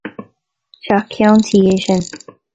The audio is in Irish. Teach ceann tuí é sin.